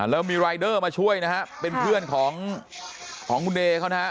แล้วมีรายเดอร์มาช่วยนะฮะเป็นเพื่อนของของคุณเดย์เขานะฮะ